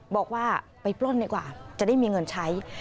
บอกว่าไปปล้นดีกว่าจะได้มีเงินใช้